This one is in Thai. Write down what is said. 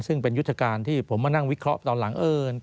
ซึ่งเป็นยุทธการที่ผมมานั่งวิเคราะห์ตอนหลัง